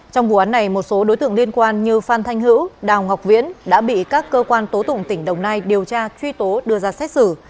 trong vụ án này một số đối tượng liên quan như phan thanh hữu đào ngọc viễn đã bị các cơ quan tố tụng tỉnh đồng nai điều tra truy tố đưa ra xét xử